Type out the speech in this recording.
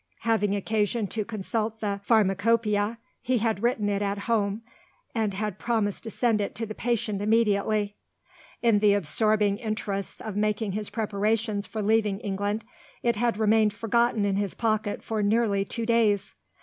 Having occasion to consult the "Pharmacopoeia," he had written it at home, and had promised to send it to the patient immediately. In the absorbing interest of making his preparations for leaving England, it had remained forgotten in his pocket for nearly two days.